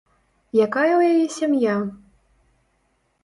Якая ў яе сям'я?